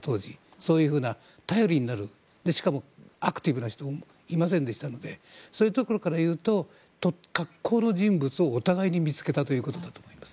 そういうふうな頼りになるアクティブな人がいませんでしたのでそういうところからいうとかっこうの人物をお互いに見つけたということだと思います。